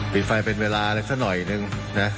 ปิดไฟเป็นเวลาอะไรสักหน่อยนึงนะ